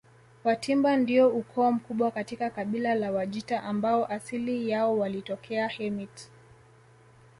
Watimba ndio ukoo mkubwa katika kabila la Wajita ambao asili yao walitokea Hemit